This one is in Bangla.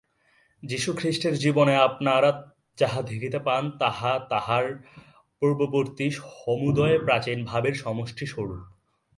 যীশুখ্রীষ্টের জীবনে আপনারা যাহা দেখিতে পান, তাহা তাঁহার পূর্ববর্তী সমুদয় প্রাচীন ভাবের সমষ্টিস্বরূপ।